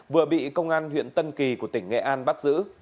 vừa bị công an huyện tân kỳ của tỉnh nghệ an bắt giữ